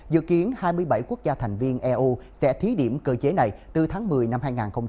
dự kiến hai mươi bảy quốc gia thành viên eu sẽ thí điểm cơ chế này từ tháng một mươi năm hai nghìn hai mươi